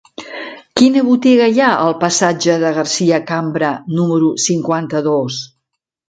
Quina botiga hi ha al passatge de Garcia Cambra número cinquanta-dos?